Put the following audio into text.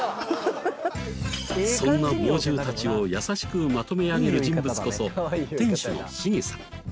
そんな猛獣達を優しくまとめ上げる人物こそ店主のシゲさん